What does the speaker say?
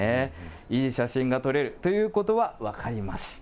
いい写真が撮れるということが分かりました。